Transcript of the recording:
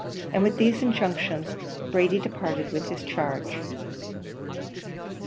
And with these injunctions Brady departed with his charge.